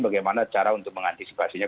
bagaimana cara untuk mengantisipasinya